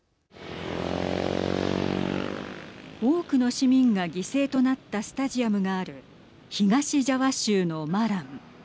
多くの市民が犠牲となったスタジアムがある東ジャワ州のマラン。